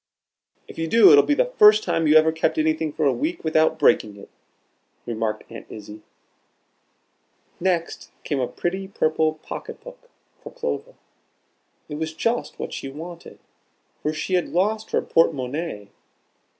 "If you do, it'll be the first time you ever kept anything for a week without breaking it," remarked Aunt Izzie. Next came a pretty purple pocket book for Clover. It was just what she wanted, for she had lost her porte monnaie.